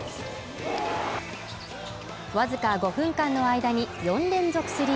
僅か５分間の間に４連続スリー。